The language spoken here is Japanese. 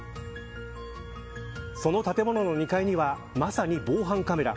その建物の２階にはまさに防犯カメラ